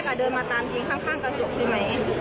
เดินมาตามยิงข้างกระจกใช่ไหม